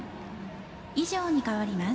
以上に代わります。